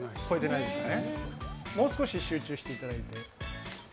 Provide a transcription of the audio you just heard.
もう少し集中していただいて。